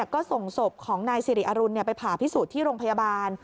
ก็ส่งศพของนายสิริอรุณไปผ่าพิสูจน์ที่โรงพยาบาล